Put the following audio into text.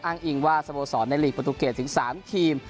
อ้างอิงว่าสโมสรในลีกประตูเกตถึง๓ทีม